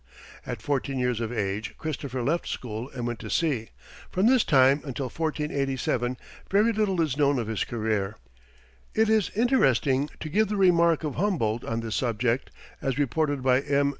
At fourteen years of age Christopher left school and went to sea; from this time until 1487, very little is known of his career. It is interesting to give the remark of Humboldt on this subject, as reported by M.